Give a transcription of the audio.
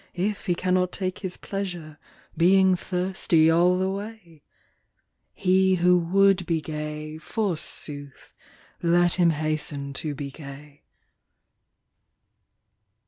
If he cannot take his pleasure, Being thirsty all the way ? He who would be gay, forsooth, Let him hasten to be gay.